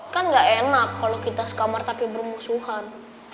kan gak enak kalau kita sekamar tapi bermusuhan